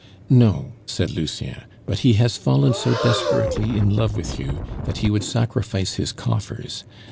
"No," said Lucien. "But he has fallen so desperately in love with you, that he would sacrifice his coffers.